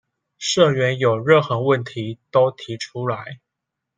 社員有任何問題都提出來